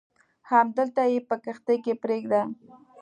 همدلته یې په کښتۍ کې پرېږده.